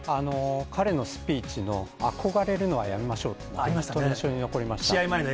彼のスピーチの、憧れるのはやめましょうって、本当に印象に残りました。